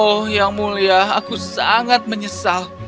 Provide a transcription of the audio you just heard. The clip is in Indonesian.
oh yang mulia aku sangat menyesal